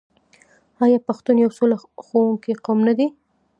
آیا پښتون یو سوله خوښوونکی قوم نه دی؟